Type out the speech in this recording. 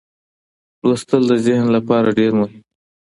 لوستل د ذهن لپاره ډېر مهم دي.